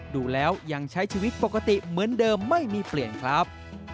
ดูแล้วยังใช้ชีวิตปกติเหมือนเดิมไม่มีเปลี่ยนครับ